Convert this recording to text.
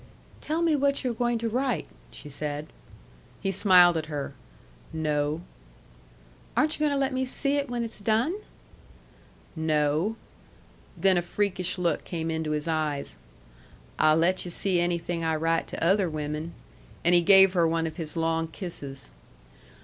"Tell me what you're going to write," she said. He smiled at her. "No." "Aren't you going to let me see it when it's done?" "No." Then a freakish look came into his eyes. "I'll let yu' see anything I write to other women." And he gave her one of his long kisses.